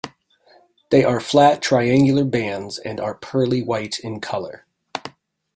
They are flat triangular bands and are pearly white in color.